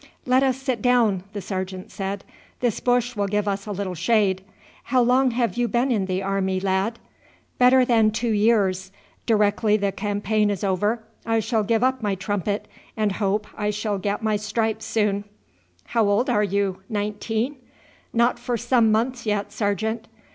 "Let us sit down," the sergeant said; "this bush will give us a little shade. How long have you been in the army, lad?" "Better than two years. Directly the campaign is over I shall give up my trumpet, and hope I shall get my stripes soon." "How old are you nineteen?" "Not for some months yet, sergeant."